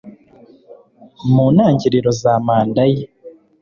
Mu ntangiriro za manda ye,